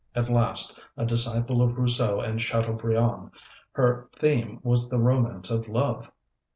At first, a disciple of Rousseau and Chateaubriand, her theme was the romance of love.